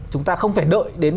chúng ta không phải đợi đến